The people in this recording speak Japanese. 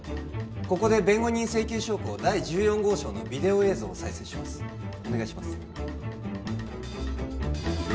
ここで弁護人請求証拠第１４号証のビデオ映像を再生しますお願いします